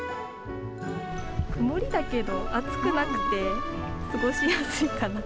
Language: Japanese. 曇りだけど暑くなくて、過ごしやすいかな。